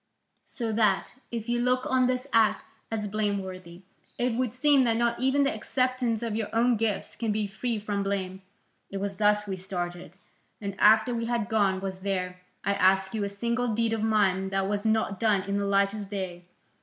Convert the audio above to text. So that, if you look on this act as blameworthy, it would seem that not even the acceptance of your own gifts can be free from blame. It was thus we started, and after we had gone, was there, I ask you, a single deed of mine that was not done in the light of day?